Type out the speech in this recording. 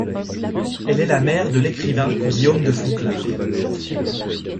Elle est la mère de l'écrivain Guillaume de Fonclare.